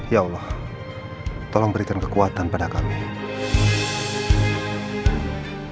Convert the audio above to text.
ya allah tolong berikan kekuatan pada kami